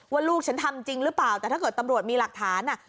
ลูกฉันทำจริงหรือเปล่าแต่ถ้าเกิดตำรวจมีหลักฐาน